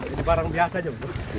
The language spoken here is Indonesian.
ini barang biasa juga